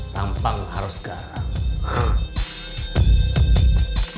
tampang harus garam